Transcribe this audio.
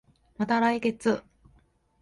また来月